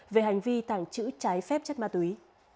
về hành vi tảng chữ trái phép chất ma túy